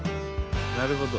なるほど。